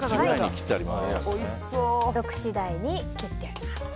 ひと口大に切ってあります。